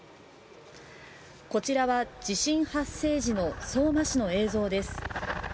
こちらは地震発生時の相馬市の映像です。